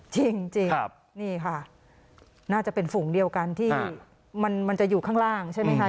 จริงนี่ค่ะน่าจะเป็นฝูงเดียวกันที่มันจะอยู่ข้างล่างใช่ไหมคะ